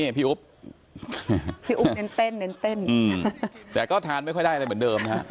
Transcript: พี่อุ๊ปพี่อุ๊ปเน้นเต้นเน้นเต้นอืมแต่ก็ทานไม่ค่อยได้อะไรเหมือนเดิมนะฮะ